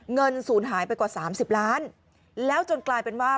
เงินศูนย์หายไปกว่า๓๐ล้านแล้วจนกลายเป็นว่า